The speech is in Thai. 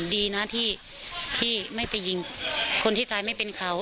ดีนะที่ไม่ไปยิงคนที่ตายไม่เป็นเขา